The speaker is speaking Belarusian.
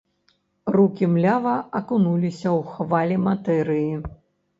Рукі млява акунуліся ў хвалі матэрыі.